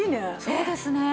そうですね。